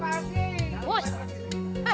jangan rasa ya